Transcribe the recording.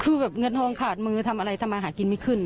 คือแบบเงินทองขาดมือทำอะไรทำอาหารกินไม่ขึ้น